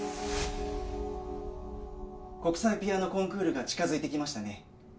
国際ピアノコンクールが近づいてきましたね。